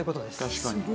確かに。